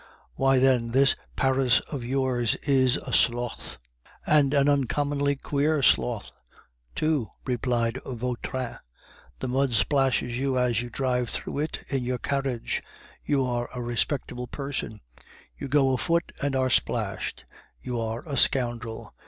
"Why, then, this Paris of yours is a slough." "And an uncommonly queer slough, too," replied Vautrin. "The mud splashes you as you drive through it in your carriage you are a respectable person; you go afoot and are splashed you are a scoundrel.